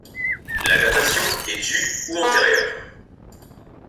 La datation est du ou antérieur.